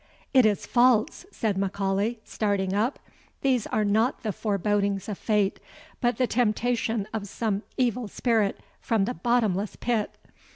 "It is false!" said M'Aulay, starting up, "these are not the forebodings of fate, but the temptation of some evil spirit from the bottomless pit!"